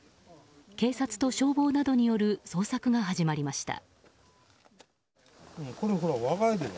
警察と消防などによる捜索が始まりました。